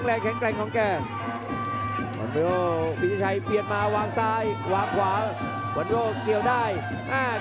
และฝั่งพิชชัยขยับแถงด้วยฝั่งซ้าย